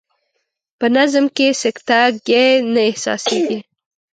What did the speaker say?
په نظم کې سکته ګي نه احساسیږي.